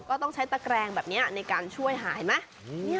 ต้องใช้ตะแกรงแบบนี้ในการช่วยหาเห็นไหม